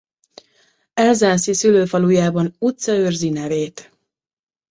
Elzászi szülőfalujában utca őrzi nevét.